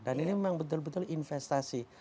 dan ini memang betul betul investasi